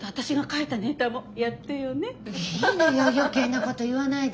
いいのよ余計なこと言わないで。